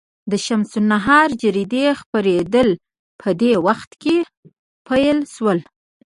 د شمس النهار جریدې خپرېدل په دې وخت کې پیل شول.